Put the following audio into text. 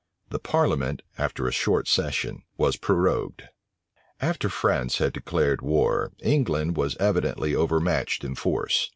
The parliament, after a short session, was prorogued. {1666.} After France had declared war, England was evidently overmatched in force.